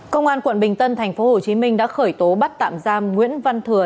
công an quận bình tân tp hcm đã khởi tố bắt tạm giam nguyễn văn thừa